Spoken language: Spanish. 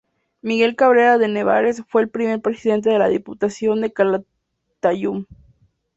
Miguel Cabrera de Nevares fue el primer presidente de la Diputación de Calatayud.